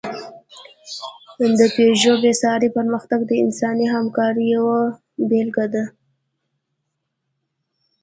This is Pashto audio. د پيژو بېساری پرمختګ د انساني همکارۍ یوه بېلګه ده.